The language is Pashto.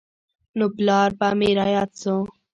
نو پلار به مې راياد سو.